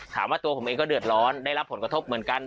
ตัวผมเองก็เดือดร้อนได้รับผลกระทบเหมือนกัน